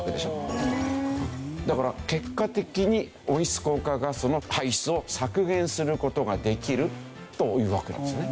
だから結果的に温室効果ガスの排出を削減する事ができるというわけなんですね。